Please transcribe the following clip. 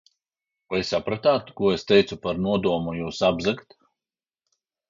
Vai sapratāt, ko es teicu par nodomu jūs apzagt?